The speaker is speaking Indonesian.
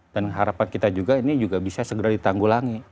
dan harapan kita juga ini juga bisa segera ditanggulangi